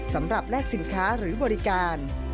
สำหรับแลกสินค้าหรือบริการ